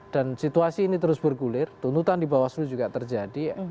dan situasi ini terus bergulir tuntutan di bawah seluruh juga terjadi